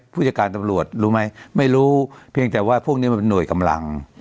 ผู้จัดการตำรวจรู้ไหมไม่รู้เพียงแต่ว่าพวกนี้มันเป็นหน่วยกำลัง